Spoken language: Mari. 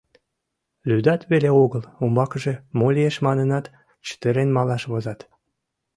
Лӱдат веле огыл, умбакыже мо лиеш манынат чытырен малаш возат.